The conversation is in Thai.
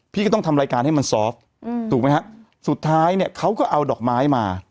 พี่ก็ต้องทำรายการให้มันซอฟต์ถูกไหมฮะสุดท้ายเนี่ยเขาก็เอาดอกไม้มา